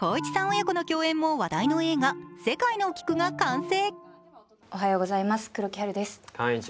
親子の共演も話題の映画「せかいのおきく」が完成。